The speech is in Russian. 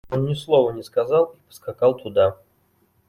Он ни слова не сказал и поскакал туда.